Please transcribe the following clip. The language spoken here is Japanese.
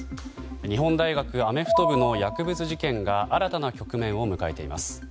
日本大学アメフト部の薬物事件が新たな局面を迎えています。